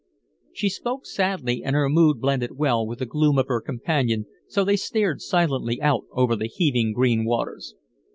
She spoke sadly and her mood blended well with the gloom of her companion, so they stared silently out over the heaving green waters.